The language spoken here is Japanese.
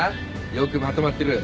よくまとまってる。